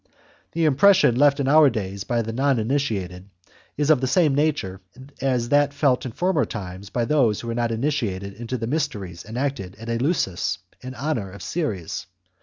The impression felt in our days by the non initiated is of the same nature as that felt in former times by those who were not initiated in the mysteries enacted at Eleusis in honour of Ceres.